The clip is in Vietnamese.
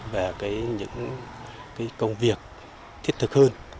và những công việc thiết thực hơn